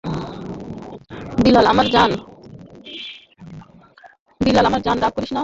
বিলাল, আমার জান, রাগ করছিস কেনো?